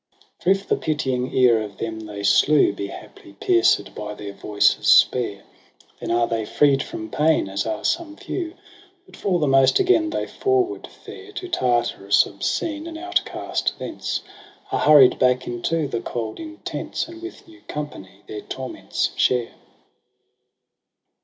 z8 ' For if the pitying ear of them they slew Be haply pierced by their voices spare. Then are they freed from pain j as are some few ; But, for the most, again they forward fare To Tartarus obscene, and outcast thence Are hurried back into the cold intense. And with new company their torments share.